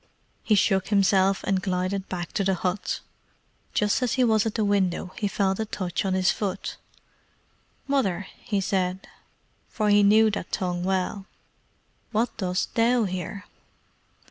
He shook himself and glided back to the hut. Just as he was at the window he felt a touch on his foot. "Mother," said he, for he knew that tongue well, "what dost THOU here?"